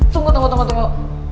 tunggu tunggu tunggu